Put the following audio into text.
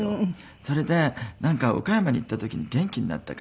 それでなんか岡山に行った時に元気になったから。